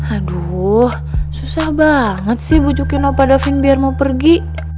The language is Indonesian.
aduh susah banget sih bujukin opa davin biar mau pergi